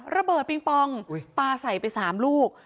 ระเบิดปิงปองปลาใส่ไป๓ลูก